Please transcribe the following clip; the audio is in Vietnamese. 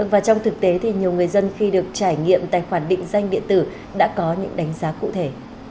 và trong thực tế thì nhiều người dân khi được trải nghiệm tài khoản định danh điện tử đã có những đánh giá cụ thể